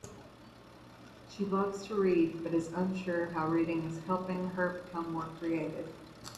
She loves to read, but is unsure how reading is helping her become more creative.